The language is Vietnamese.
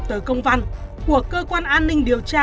tới công văn của cơ quan an ninh điều tra